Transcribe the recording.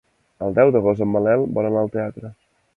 El deu d'agost en Manel vol anar al teatre.